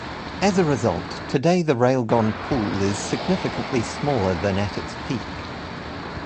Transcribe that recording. As a result, today the Railgon pool is significantly smaller than at its peak.